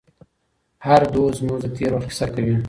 هر دود زموږ د تېر وخت کیسه کوي.